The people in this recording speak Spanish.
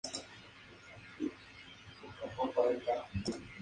En esos días Mona se convirtió en representante de hecho de Los Beatles.